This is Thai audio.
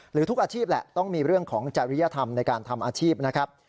หรือทุกอาชีพแหละต้องมีเรื่องของจริยธรรมในการทำอาชีพนะครับ